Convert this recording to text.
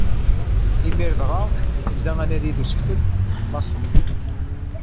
Imir dɣa i yebda anadi d usekfel n laṣel.